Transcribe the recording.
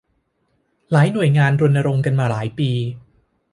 หลายหน่วยงานรณรงค์กันมาหลายปี